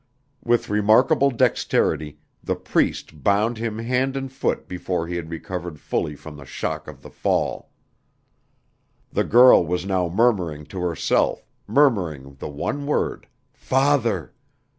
With remarkable dexterity, the Priest bound him hand and foot before he had recovered fully from the shock of the fall. The girl was now murmuring to herself, murmuring the one word "Father."